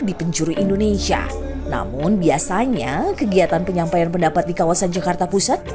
di pencuri indonesia namun biasanya kegiatan penyampaian pendapat di kawasan jakarta pusat